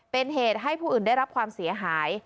เป็นเหตุให้ผู้อื่นได้รับความเสียหาย